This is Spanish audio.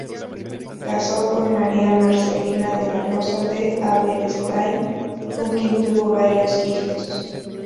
Casó con María Marcelina de la Rosa de Aberastain, con quien tuvo varios hijos.